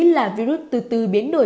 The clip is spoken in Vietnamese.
là virus từ từ biến đổi